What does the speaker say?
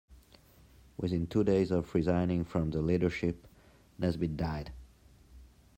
Within two days of resigning from the leadership, Nesbitt died.